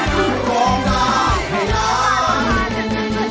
ยุ่งกลัวทุกทุกวิน